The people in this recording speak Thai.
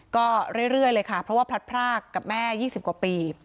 ก็เรื่อยเลยค่ะเพราะว่าพลัดพรากกับแม่๒๐กว่าปี